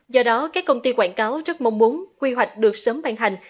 do đó các công ty quảng cáo rất mong muốn quy hoạch được sớm ban hành